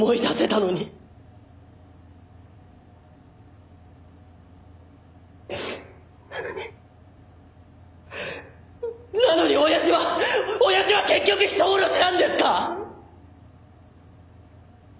なのになのに親父は親父は結局人殺しなんですか！？